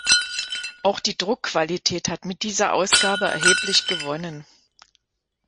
Auch die Druckqualität hat mit dieser Ausgabe erheblich gewonnen.